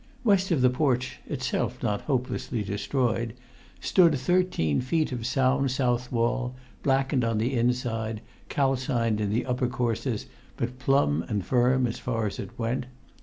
West of the porch (itself not hopelessly destroyed) stood thirteen feet of sound south wall, blackened on the inside, calcined in the upper courses, but plumb and firm as far as it went.